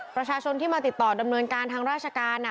ประชาชนที่มาติดต่อดำเนินการทางราชการ